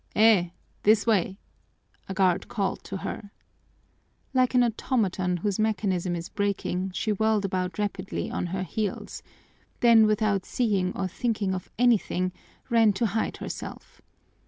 "Eh, this way!" a guard called to her. Like an automaton whose mechanism is breaking, she whirled about rapidly on her heels, then without seeing or thinking of anything ran to hide herself.